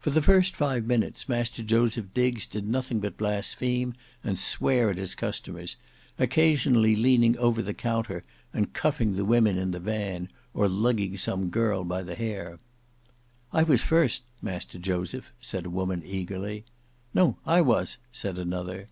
For the first five minutes Master Joseph Diggs did nothing but blaspheme and swear at his customers, occasionally leaning over the counter and cuffing the women in the van or lugging some girl by the hair. "I was first, Master Joseph," said a woman eagerly. "No; I was," said another.